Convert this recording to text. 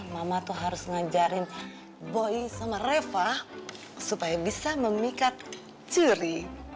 mama tuh harus ngajarin boy sama reva supaya bisa memikat ciri